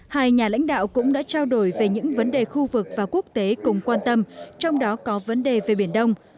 hai nhà lãnh đạo cũng đã trao đổi về những vấn đề khu vực và quốc tế cùng quan tâm trong đó có vấn đề về biển đông